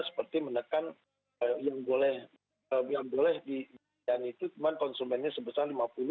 seperti menekan yang boleh dijadikan itu cuma konsumennya sebesar lima puluh